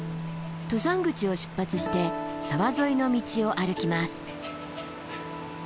登山口を出発して沢沿いの道を歩きます。